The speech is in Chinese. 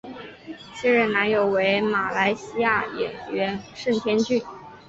现任男友为马来西亚演员盛天俊。